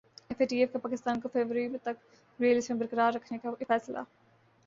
F A T F کا پاکستان کو فروری تک گرے لسٹ میں برقرار رکھنے کا فیصلہ